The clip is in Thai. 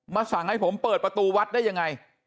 สั่งให้ผมเปิดประตูวัดได้ยังไง